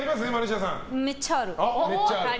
めっちゃある。